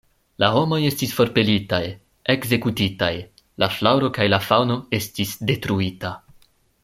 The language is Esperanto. La homoj estis forpelitaj, ekzekutitaj; la flaŭro kaj la faŭno estis detruita.